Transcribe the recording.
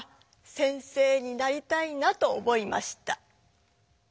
先生になりたいな」と思いました。